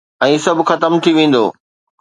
۽ سڀ ختم ٿي ويندو